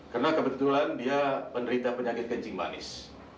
karena kebetulan dia penderita penyakit gencing manis